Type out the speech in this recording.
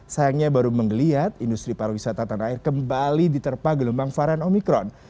sayangnya baru menggeliat industri pariwisata tanah air kembali diterpa gelombang varian omikron